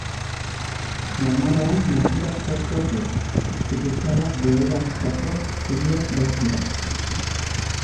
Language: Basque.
Normalean naturak sortuak dira, artifizialak beheratutako zubiak baitira.